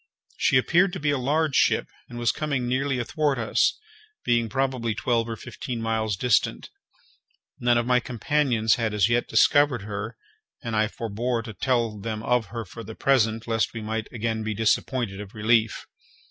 She appeared to be a large ship, and was coming nearly athwart us, being probably twelve or fifteen miles distant. None of my companions had as yet discovered her, and I forbore to tell them of her for the present, lest we might again be disappointed of relief.